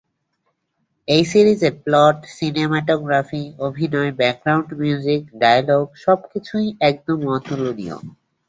এই সিরিজের plot, cinematography, অভিনয়, ব্যাকগ্রাউন্ড নিউজিক, ডায়লগ সবকিছুই একদম অতুলনীয়।